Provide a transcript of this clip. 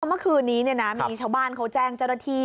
เมื่อคืนนี้มีชาวบ้านเขาแจ้งเจ้าหน้าที่